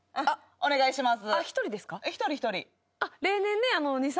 お願いします。